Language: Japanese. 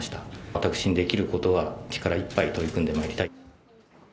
私にできることは、力いっぱい取り組んでまいりたい。